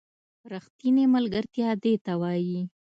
ریښتینې ملگرتیا دې ته وايي